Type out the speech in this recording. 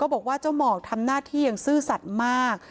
บอกว่าเจ้าหมอกทำหน้าที่อย่างซื่อสัตว์มาก